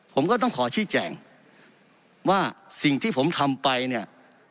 ผมก็ต้องขอชี้แจงว่าสิ่งที่ผมทำไปเนี่ย